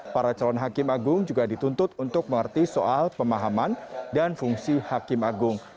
para calon hakim agung juga dituntut untuk mengerti soal pemahaman dan fungsi hakim agung